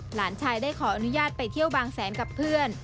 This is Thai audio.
หลานชายได้ขออนุญาตไปเที่ยวบางแสนกับเพื่อน